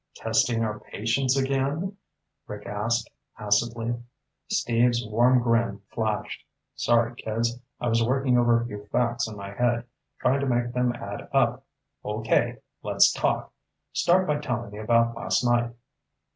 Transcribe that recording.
"Testing our patience again?" Rick asked acidly. Steve's warm grin flashed. "Sorry, kids. I was working over a few facts in my head, trying to make them add up. Okay, let's talk. Start by telling me about last night."